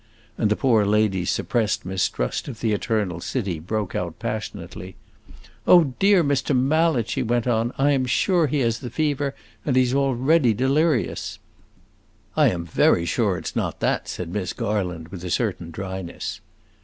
And the poor lady's suppressed mistrust of the Eternal City broke out passionately. "Oh, dear Mr. Mallet," she went on, "I am sure he has the fever and he 's already delirious!" "I am very sure it 's not that," said Miss Garland, with a certain dryness.